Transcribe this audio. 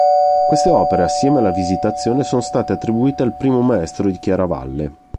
Queste opere assieme alla Visitazione sono state attribuite al Primo Maestro di Chiaravalle.